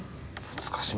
難しい。